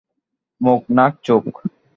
মুখ, নাক, চোখ।